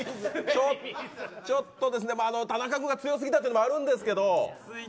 ちょっと田中君が強すぎたというのもあるんですけど。